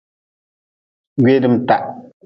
Gweedmta.